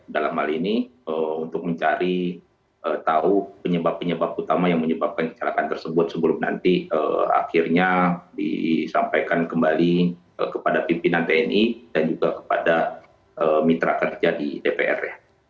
dalam hal ini untuk mencari tahu penyebab penyebab utama yang menyebabkan kecelakaan tersebut sebelum nanti akhirnya disampaikan kembali kepada pimpinan tni dan juga kepada mitra kerja di dpr